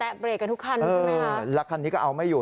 และเบรกกันทุกคันใช่ไหมแล้วคันนี้ก็เอาไม่อยู่